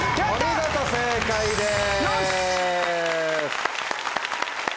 お見事正解です。